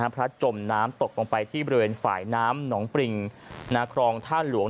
จมน้ำตกลงไปที่บริเวณฝ่ายน้ำหนองปริงนาครองท่าหลวง